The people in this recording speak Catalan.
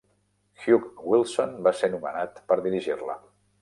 Hugh Wilson va ser nomenat per dirigir-la.